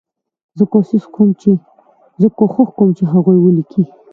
زه کوښښ کوم چې هغوی ولیکي.